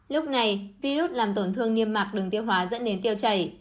lúc này virus làm tổn thương niêm mạc đường tiêu hóa dẫn đến tiêu chảy